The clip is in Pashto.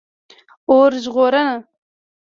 🚒 اور ژغورنه